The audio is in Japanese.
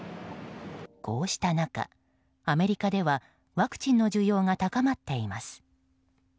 こうした中、アメリカではワクチンの需要が高まっています。